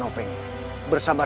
kau begitu saja